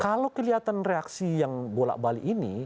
kalau kelihatan reaksi yang bolak balik ini